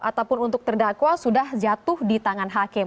ataupun untuk terdakwa sudah jatuh di tangan hakim